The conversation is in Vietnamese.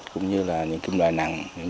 cũng như là những kim loại nặng